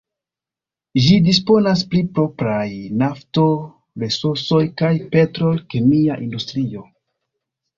Ĝi disponas pri propraj nafto-resursoj kaj petrol-kemia industrio.